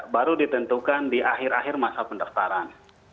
baru ditentukan di akhir akhir masa pendaftaran